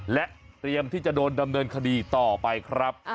และเตรียมที่จะโดนดำเนินคดีต่อไปครับ